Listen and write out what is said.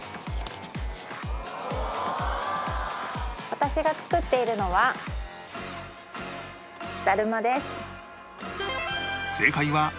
私が作っているのはだるまです。